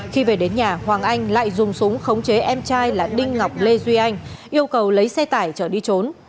khi về đến nhà hoàng anh lại dùng súng khống chế em trai là đinh ngọc lê duy anh yêu cầu lấy xe tải chở đi trốn